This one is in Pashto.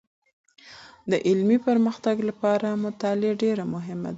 د علمي پرمختګ لپاره مطالعه ډېر مهمه ده.